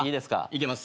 いけます。